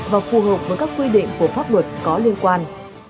và phù hợp với các quy định của pháp luật có liên quan